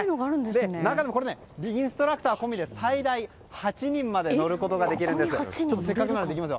中でもインストラクター込みで最大８人まで乗ることができるんです。